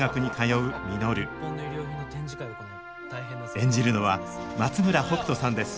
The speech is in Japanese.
演じるのは松村北斗さんです